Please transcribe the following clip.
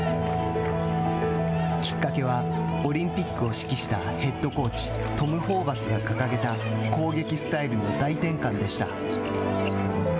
きっかけはオリンピックを指揮したヘッドコーチトム・ホーバスが掲げた攻撃スタイルの大転換でした。